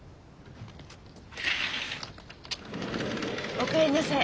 お帰りなさい。